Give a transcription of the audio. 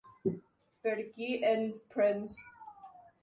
Per qui ens prens?